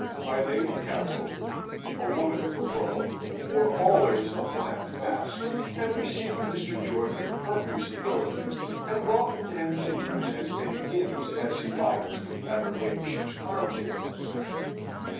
My Lady Castlewood, a woman of the world, wore always a bland mask, and received Mr. George with perfect civility, and welcomed him to lose as many guineas as he liked at her ladyship's card tables.